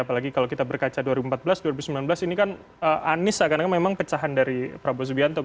apalagi kalau kita berkaca dua ribu empat belas dua ribu sembilan belas ini kan anies seakan akan memang pecahan dari prabowo subianto